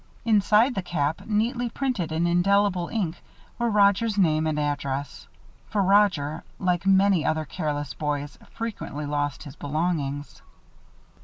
Inside the cap, neatly printed in indelible ink, were Roger's name and address; for Roger, like many another careless boy, frequently lost his belongings.